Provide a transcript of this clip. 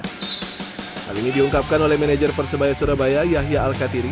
hal ini diungkapkan oleh manajer persebaya surabaya yahya al katiri